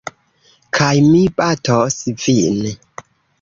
Kaj mi batos vin.